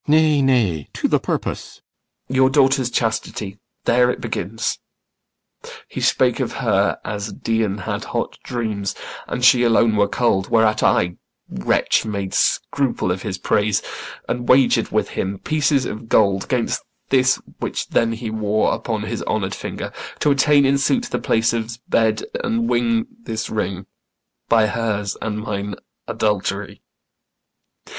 CYMBELINE. Nay, nay, to th' purpose. IACHIMO. Your daughter's chastity there it begins. He spake of her as Dian had hot dreams And she alone were cold; whereat I, wretch, Made scruple of his praise, and wager'd with him Pieces of gold 'gainst this which then he wore Upon his honour'd finger, to attain In suit the place of's bed, and win this ring By hers and mine adultery.